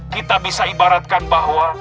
kita bisa ibaratkan bahwa